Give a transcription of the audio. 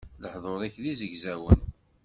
Lehdur-ik d izegzawen.